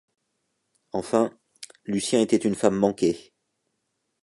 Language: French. Enfin, Lucien était une femme manquée.